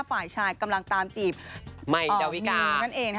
ฝ่ายชายกำลังตามจีบใหม่ดาวิกานั่นเอง